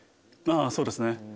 ああそうですね。